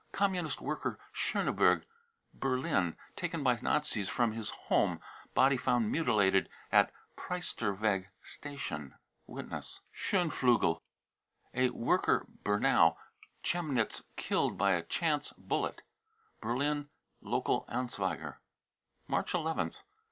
Communist worker, Schoneberg, Berlin, taken by Nazis from his home ; body found mutilated at Priesterweg station. (Witness.) scheunflugel, a worker, Bernau, Chemnitz, killed by a " chance bullet." (Berlin Lokal Anzeiger.) March nth.